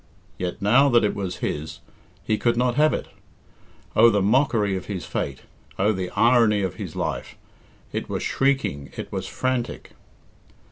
Yet now that it was his, he could not have it. Oh, the mockery of his fate! Oh, the irony of his life! It was shrieking, it was frantic!